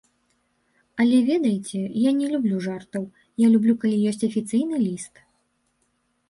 Але, ведаеце, я не люблю жартаў, я люблю калі ёсць афіцыйны ліст.